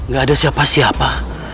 gak ada siapa siapa